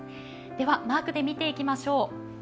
ではマークで見ていきましょう。